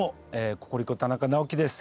ココリコ田中直樹です。